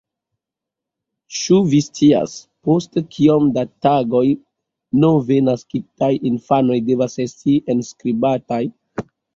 Ĉu vi scias, post kiom da tagoj nove naskitaj infanoj devas esti enskribataj?